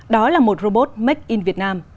đó là một robot make in việt nam